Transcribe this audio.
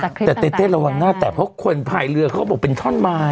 จากคลิปต่างได้แต่เต้นระวังหน้าแต่เพราะคนผ่ายเรือเขาบอกเป็นท่อนไม้อ่ะ